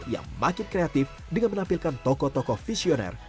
yang makin kreatif dengan menampilkan tokoh tokoh visioner